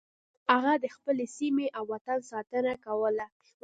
هغه د خپلې سیمې او وطن ساتنه کوله.